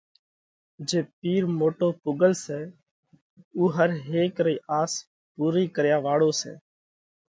جي پِير موٽو پُوڳل سئہ اُو هر هيڪ رئِي آس پُورئِي ڪريا واۯو سئہ۔